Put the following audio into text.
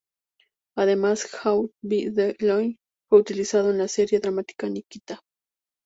Además "Caught By The Light" fue utilizado en la serie dramática "Nikita".